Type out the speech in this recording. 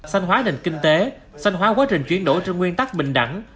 xanh hóa nền kinh tế xanh hóa quá trình chuyển đổi trên nguyên tắc bình đẳng